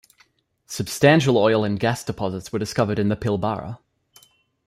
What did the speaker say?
Substantial oil and gas deposits were discovered in the Pilbara.